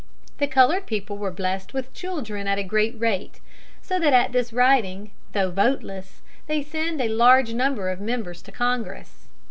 The colored people were blessed with children at a great rate, so that at this writing, though voteless, they send a large number of members to Congress.